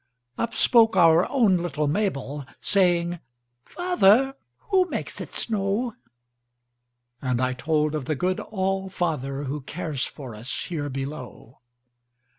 Up spoke our own little Mabel, Saying, "Father, who makes it snow?"And I told of the good All fatherWho cares for us here below.